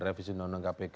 revisi undang undang kpk